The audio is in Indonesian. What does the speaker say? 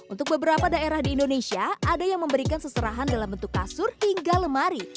untuk beberapa daerah di indonesia ada yang memberikan seserahan dalam bentuk kasur hingga lemari